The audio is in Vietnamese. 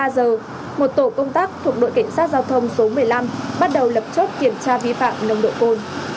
một mươi ba giờ một tổ công tác thuộc đội cảnh sát giao thông số một mươi năm bắt đầu lập chốt kiểm tra vi phạm nồng độ cồn